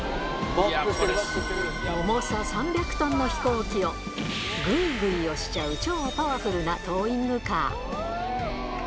重さ３００トンの飛行機を、ぐいぐい押しちゃう超パワフルなトーイングカー。